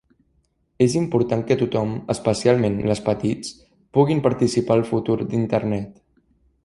És important que tothom, especialment les petits, puguin participar al futur d'Internet.